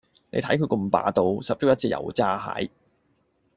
你睇佢咁霸道，十足一隻油炸蟹